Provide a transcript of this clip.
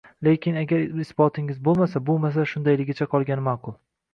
Lekin agar isbotingiz bo`lmasa, bu masala shundayligicha qolgani ma`qul